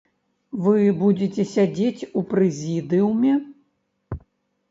Вы будзеце сядзець у прэзідыуме?